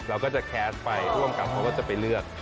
เราก็จะแคสต์ไปร่วมกันเขาก็จะไปเลือก